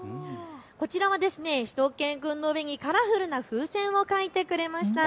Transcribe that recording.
こちらはしゅと犬くんの上にカラフルな風船を描いてくれました。